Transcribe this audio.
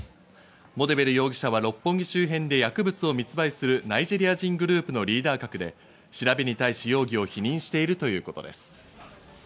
モデベル容疑者は六本木周辺で薬物を密売するナイジェリア人グループのリーダー格で、調べに対し容疑を否認しているということです。